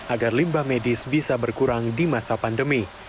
agar limbah medis bisa berkurang di masa pandemi